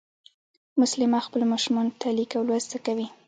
مسلیمه خپلو ماشومانو ته لیک او لوست زده کوي